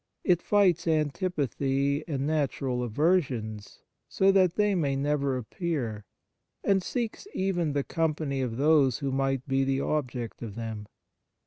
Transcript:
It fights antipathy and natural aversions so that they may never appear, and seeks even the company of those who might be the object of them.